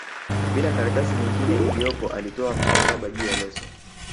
bila karatasi nyingine iliyopo alitoa mkataba juu ya leso